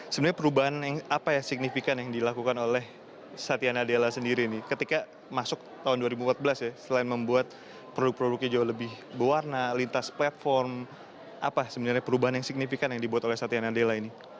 sebenarnya perubahan apa ya signifikan yang dilakukan oleh satya nadella sendiri ini ketika masuk tahun dua ribu empat belas ya selain membuat produk produknya jauh lebih berwarna lintas platform apa sebenarnya perubahan yang signifikan yang dibuat oleh satya nadella ini